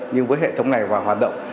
nhưng với hệ thống này và hoạt động